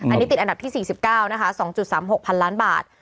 อันนี้ติดอันดับที่๔๙นะคะ๒๓๖พันล้านบาท